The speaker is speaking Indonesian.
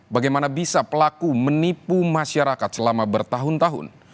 bagaimana bisa pelaku menipu masyarakat selama bertahun tahun